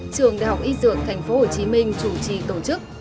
trường đại học y dược tp hcm chủ trì tổ chức